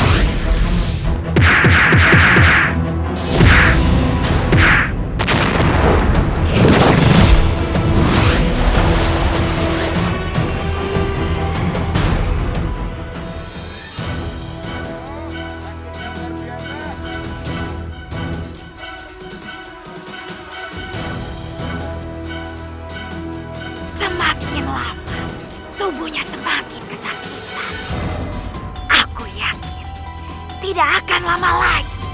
asaga kondisi menyala